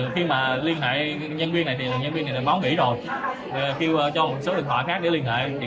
khi liên hệ nhân viên này thì nhân viên này đã bóng bỉ rồi kêu cho một số điện thoại khác để liên hệ